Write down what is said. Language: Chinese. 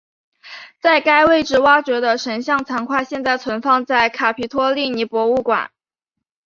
在该位置挖掘的神像残块现在存放在卡皮托利尼博物馆。